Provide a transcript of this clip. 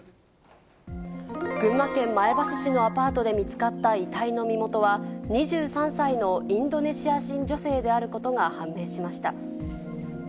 群馬県前橋市のアパートで見つかった遺体の身元は、２３歳のインドネシア人女性であることが判明しました。